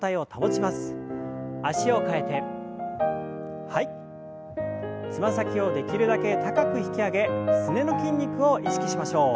つま先をできるだけ高く引き上げすねの筋肉を意識しましょう。